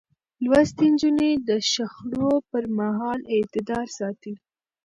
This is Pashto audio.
لوستې نجونې د شخړو پر مهال اعتدال ساتي.